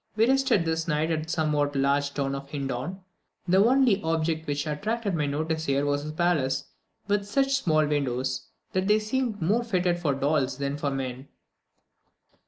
We rested this night at the somewhat large town of Hindon. The only object which attracted my notice here was a palace with such small windows, that they seemed more fitted for dolls than for men.